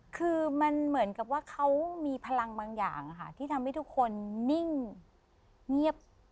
คือมันเหมือนกับว่าเขามีพลังบางอย่างที่ทำให้ทุกคนนิ่งเงียบ